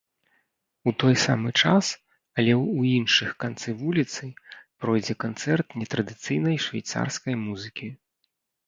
У той самы час, але ў іншых канцы вуліцы пройдзе канцэрт нетрадыцыйнай швейцарскай музыкі.